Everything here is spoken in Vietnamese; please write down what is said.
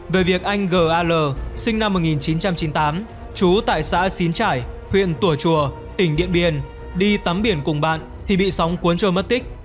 về việc anh gal sinh năm một nghìn chín trăm chín mươi tám trú tại xã xín trải huyện tùa chùa tỉnh điện biên đi tắm biển cùng bạn thì bị sóng cuốn trôi mất tích